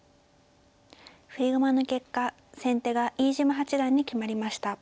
振り駒の結果先手が飯島八段に決まりました。